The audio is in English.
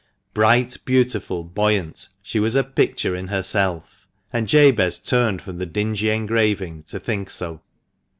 Bright, beautiful, buoyant — she was a picture in herself; and Jabez turned from the dingy engraving to think so.